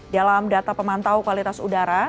dalam data pemantau kualitas udara